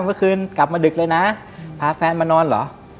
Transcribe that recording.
เมื่อคืนกลับมาดึกเลยนะพาแฟนมานอนเหรอ